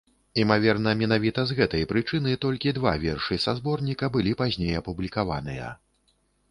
Імаверна, менавіта з гэтай прычыны толькі два вершы са зборніка былі пазней апублікаваныя.